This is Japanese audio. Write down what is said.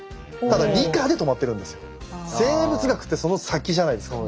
ただ理科で止まってるんですよ。